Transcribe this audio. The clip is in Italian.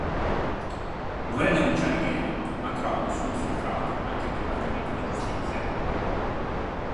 Vuole denunciare Gary, ma trova un suo infiltrato anche al dipartimento di giustizia.